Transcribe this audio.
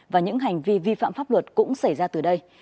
và những hành vi vi phạm pháp luật cũng xảy ra từ đây